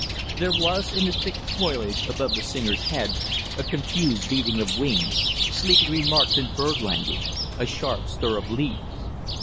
There was in the thick foliage above the singer's head a confused beating of wings, sleepy remarks in bird language, a sharp stir of leaves.